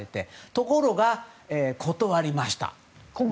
ところが、断りました。